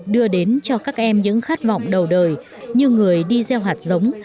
đưa đến cho các em những khát vọng đầu đời như người đi gieo hạt giống